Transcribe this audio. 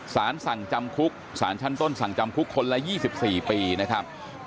สารสั่งจำคุกสารชั้นต้นสั่งจำคุกคนละ๒๔ปีนะครับ